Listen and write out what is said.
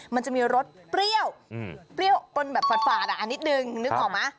มันจะมีรสเปรี้ยวบนแบบฝัดนิดหนึ่งนึกออกไหม